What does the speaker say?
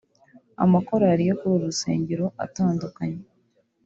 Amakorari yo kuri uru rusengero atandukanye